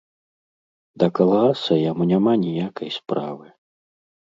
Да калгаса яму няма ніякай справы.